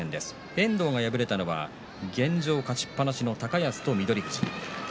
遠藤が敗れたのは現状勝ちっぱなしの高安と翠富士。